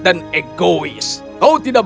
dan egois kau tidak